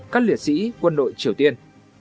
các liệt sĩ quân đội triều tiên